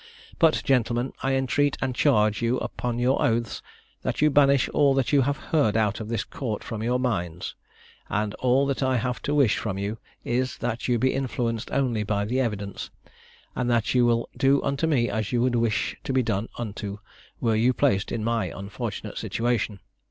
But, gentlemen, I entreat and charge you upon your oaths, that you banish all that you have heard out of this court from your minds, and all that I have to wish from you is, that you be influenced only by the evidence, and that you will do unto me as you would wish to be done unto, were you placed in my unfortunate situation.